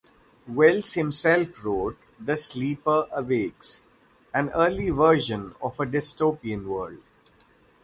Wells himself wrote "The Sleeper Awakes", an early vision of a dystopian world.